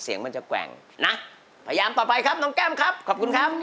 เสียงมันจะแกว่งนะพยายามต่อไปครับน้องแก้มครับขอบคุณครับ